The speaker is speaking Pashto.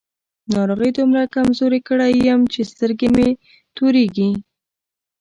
ناروغۍ دومره کمزوری کړی يم چې سترګې مې تورېږي.